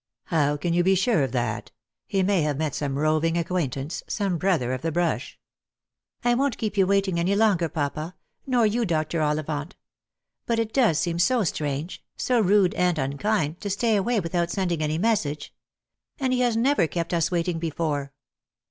"How can you be sure of thatP He may have met some roving acquaintance — some brother of the brush." " I won't keep you waiting any longer, papa; nor you, Dr. Ollivant. But it does seem so strange, so rude and unkind, to stay away without sending any message. And he has never kept us waiting before.